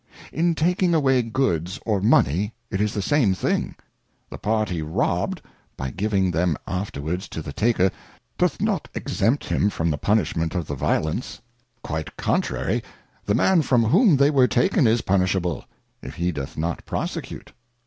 In taking away Goods or Money it is the same thing. The party robbed, by giving them afterwards to the taker, doth not exempt him from the Punishment of the Violence : Quite contrary, the Man from whom they were taken is punishable, if he doth not prosecute.